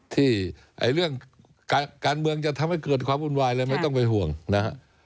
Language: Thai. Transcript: ที่เรื่องการเมืองจะทำให้เกิดความวุ่นวายเลยไม่ต้องไปห่วงนะฮะ